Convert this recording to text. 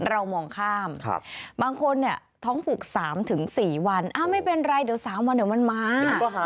เรามองข้ามบางคนเนี่ยท้องปลูก๓๔วันไม่เป็นไรเดี๋ยว๓วันเดี๋ยวมันมา